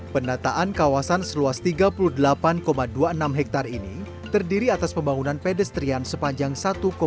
pendataan kawasan seluas tiga puluh delapan dua puluh enam hektare ini terdiri atas pembangunan pedestrian sepanjang